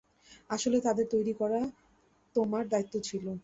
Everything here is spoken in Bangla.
আসলে, ওদের তৈরি করা তোমার দায়িত্ব ছিল।